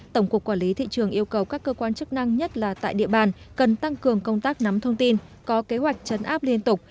tổng cục quản lý thị trường yêu cầu các cơ quan chức năng nhất là tại địa bàn cần tăng cường công tác nắm thông tin có kế hoạch chấn áp liên tục